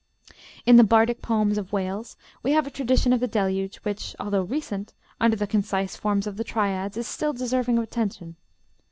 In the bardic poems of Wales we have a tradition of the Deluge which, although recent, under the concise forms of the triads, is still deserving of attention.